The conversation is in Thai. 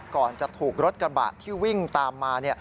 ก่อนจะถูกรถกระบะที่วิ่งตามมา